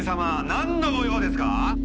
なんのご用ですか？」